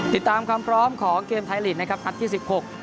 ติดตามความพร้อมของเกมไทยลีกนะครับนัดที่สิบหก